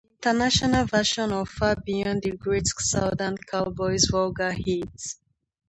The International version of Far Beyond the Great Southern Cowboys' Vulgar Hits!